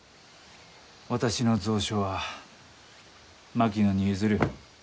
私の蔵書は槙野に譲る。